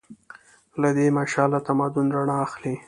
له دې مشعله تمدن رڼا اخلي.